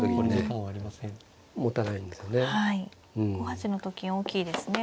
５八のと金大きいですね